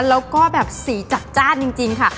แล้วก็แบบสีจัดจ้านจริงค่ะ